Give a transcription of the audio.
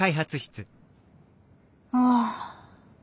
ああ。